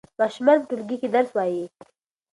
ماشومان په ټولګي کې درس وايي.